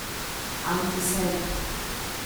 Angki sen.